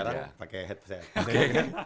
sekarang pakai head saya